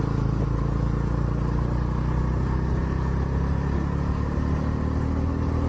อายุอายุ